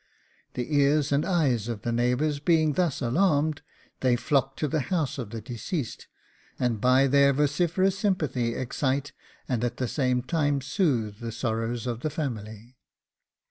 The ears and eyes of the neighbours being thus alarmed, they flock to the house of the deceased, and by their vociferous sympathy excite and at the same time soothe the sorrows of the family.